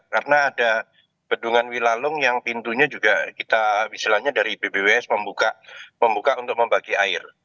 karena ada pedungan wilalung yang pintunya juga kita misalnya dari bpws membuka untuk membagi air